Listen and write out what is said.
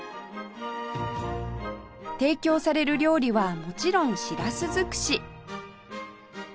提供される料理はもちろんしらす尽くし